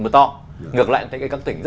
mưa to ngược lại thấy các tỉnh